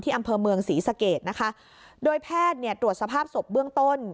อำเภอเมืองศรีสะเกดนะคะโดยแพทย์เนี่ยตรวจสภาพศพเบื้องต้น